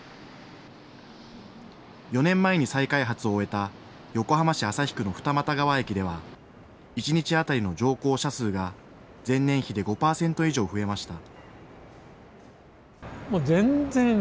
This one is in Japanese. ４年前に再開発を終えた横浜市旭区の二俣川駅では、１日当たりの乗降者数が前年比で５％以上増えました。